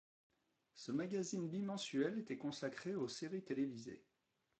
Ce magazine bimensuel était consacré aux séries télévisées.